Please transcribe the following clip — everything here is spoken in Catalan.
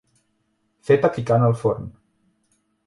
Feta picant al forn.